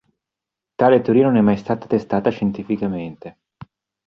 Tale teoria non è mai stata testata scientificamente.